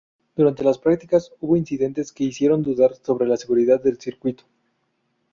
Durante las prácticas hubo incidentes que hicieron dudar sobre la seguridad del circuito.